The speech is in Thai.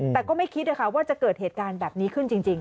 แต่ก็ไม่คิดนะคะว่าจะเกิดเหตุการณ์แบบนี้ขึ้นจริง